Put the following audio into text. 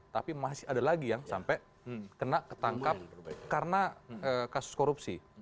tapi masih ada lagi yang sampai kena ketangkap karena kasus korupsi